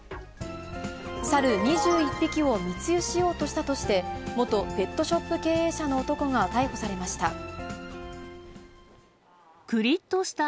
猿２１匹を密輸しようとしたとして、元ペットショップ経営者の男が逮捕されました。